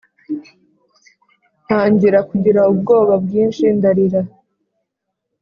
ntangira kugira ubwoba bwinshi ndarira.